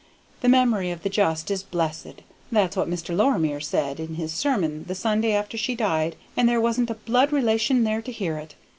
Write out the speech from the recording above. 'The memory of the just is blessed'; that's what Mr. Lorimer said in his sermon the Sunday after she died, and there wasn't a blood relation there to hear it.